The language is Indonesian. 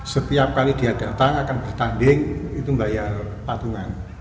setiap kali dia datang akan bertanding itu membayar patungan